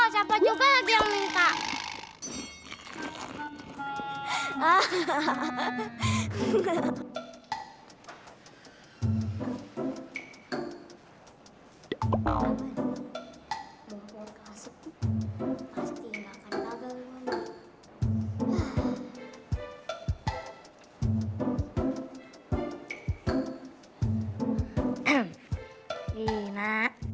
siapa juga lagi yang minta